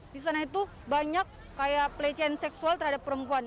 disana itu banyak kayak pelecehan seksual terhadap perempuan